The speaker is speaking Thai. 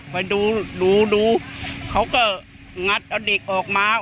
ไปดูดูเขาก็งัดเอาเด็กออกมา